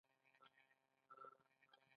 ما ورته خبرې کړې وې خو هغه پوښتنه ونه کړه.